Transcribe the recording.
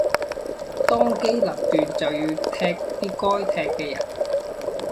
當機立斷就要踢啲該踢嘅人